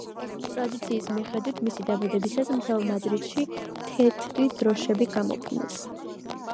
ტრადიციის მიხედვით, მისი დაბადებისას მთელს მადრიდში თეთრი დროშები გამოფინეს.